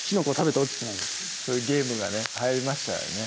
そういうゲームがねはやりましたよね